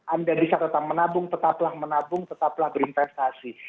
anda bisa tetap menabung tetaplah menabung tetaplah berinvestasi